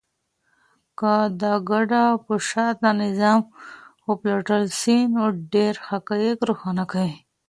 که د کډه په شاته نظام وپلټل سي، نو ډېر حقایق روښانه کيږي.